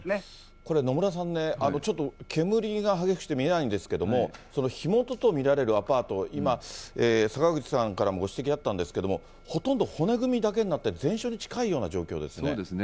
これ、野村さんね、ちょっと煙が激しくて見えないんですけど、火元と見られるアパート、今、坂口さんからもご指摘あったんですけど、ほとんど骨組みだけになって、全焼に近いような状況ですね。